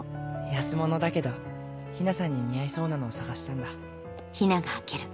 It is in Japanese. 安物だけど陽菜さんに似合いそうなのを探したんだ。